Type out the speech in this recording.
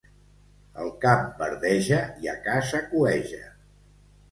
Al camp verdeja i a casa cueja.